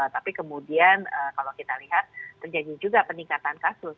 tapi kemudian kalau kita lihat terjadi juga peningkatan kasus